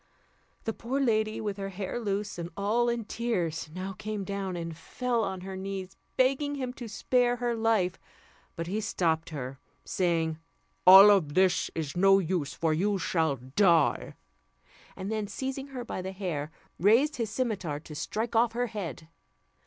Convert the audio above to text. The poor lady, with her hair loose, and all in tears, now came down, and fell on her knees, begging him to spare her life; but he stopped her, saying, "All this is of no use, for you shall die," and then, seizing her by the hair, raised his cimeter to strike off her head.